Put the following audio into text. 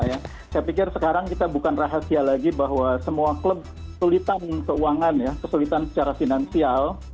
saya pikir sekarang kita bukan rahasia lagi bahwa semua klub sulitan keuangan ya kesulitan secara finansial